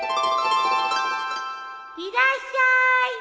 いらっしゃい